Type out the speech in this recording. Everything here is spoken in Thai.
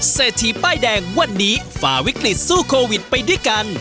เศรษฐีป้ายแดงวันนี้ฝ่าวิกฤตสู้โควิดไปด้วยกัน